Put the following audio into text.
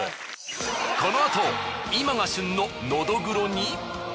このあと今が旬ののどぐろに。